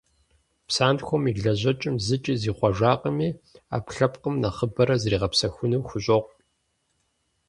Псантхуэм и лэжьэкӀэм зыкӀи зихъуэжакъыми, Ӏэпкълъэпкъым нэхъыбэрэ зригъэгъэпсэхуну хущӀокъу.